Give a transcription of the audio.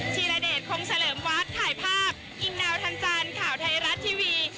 ธีรเดชคงเฉลิมวัดถ่ายภาพอิงดาวทันจันทร์ข่าวไทยรัฐทีวี